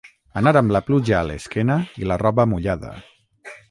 Anar amb la pluja a l'esquena i la roba mullada.